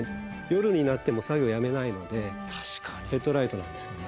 夜になっても作業をやめないのでヘッドライトなんですよね。